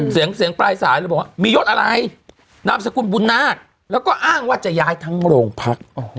เสียงเสียงปลายสายเลยบอกว่ามียศอะไรนามสกุลบุญนาคแล้วก็อ้างว่าจะย้ายทั้งโรงพัก